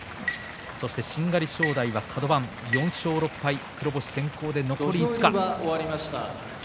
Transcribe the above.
そして、しんがり正代はカド番４勝６敗、黒星先行で残り５日。